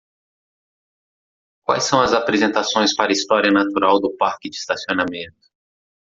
Quais são as apresentações para a história natural do parque de estacionamento